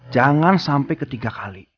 jangan sampe ketiga kali